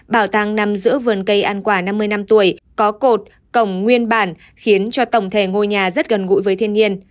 bảo tàng nằm giữa vườn cây ăn quả năm mươi năm tuổi có cột cổng nguyên bản khiến cho tổng thể ngôi nhà rất gần gũi với thiên nhiên